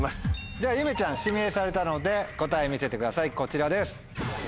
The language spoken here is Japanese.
ではゆめちゃん指名されたので答え見せてくださいこちらです。